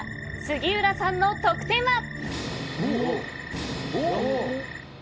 杉浦さんの得点は。